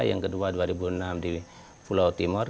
yang kedua dua ribu enam di pulau timur